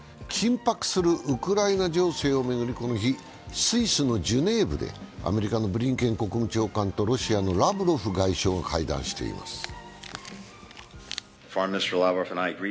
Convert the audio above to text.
緊迫するウクライナ情勢を巡り、この日、スイスのジュネーブでアメリカのブリンケン国務長官とロシアのラブロフ外相が会談しています。